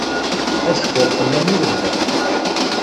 Ad cfuɣ fell-am i lebda.